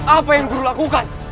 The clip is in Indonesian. apa yang guru lakukan